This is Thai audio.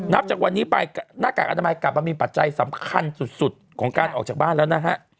จากวันนี้ไปหน้ากากอนามัยกลับมามีปัจจัยสำคัญสุดของการออกจากบ้านแล้วนะฮะ